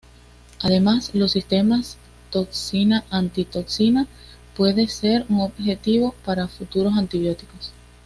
Además los sistemas toxina-antitoxina puedes ser un objetivo para futuros antibióticos.